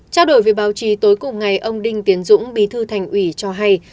trao đổi với báo chí tối cùng ngày ông đinh tiến dũng bí thư thành ủy cho hay